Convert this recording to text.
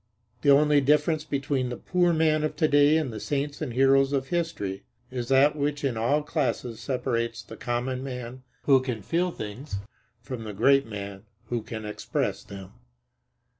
The only difference between the poor man of to day and the saints and heroes of history is that which in all classes separates the common man who can feel things from the great man who can express them.